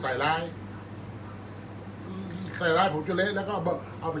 อันไหนที่มันไม่จริงแล้วอาจารย์อยากพูด